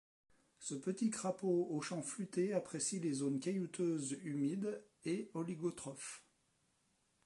Ce petit crapaud au chant fluté apprécie les zones caillouteuses humides et oligotrophes.